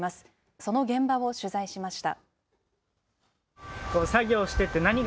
その現場を取材しました。